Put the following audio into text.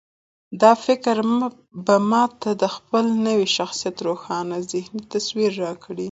دا فکر به ما ته د خپل نوي شخصيت روښانه ذهني تصوير راکړي.